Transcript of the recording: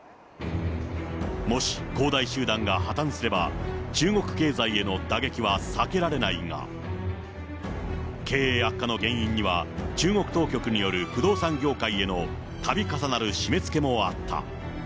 もし、恒大集団が破綻すれば、中国経済への打撃は避けられないが、経営悪化の原因には、中国当局による不動産業界へのたび重なる締めつけもあった。